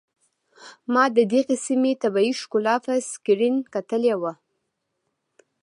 ما د دغې سيمې طبيعي ښکلا په سکرين کتلې وه.